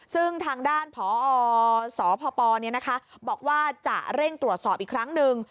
ซึ่งทางด้านพอสพบอกว่าจะเร่งตรวจสอบอีกครั้งหนึ่ง